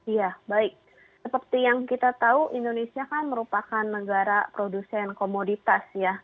iya baik seperti yang kita tahu indonesia kan merupakan negara produsen komoditas ya